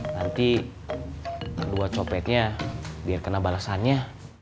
nanti dua copetnya biar kena balasannya